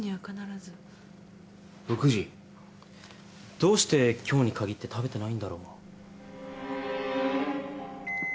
どうして今日に限って食べてないんだろう？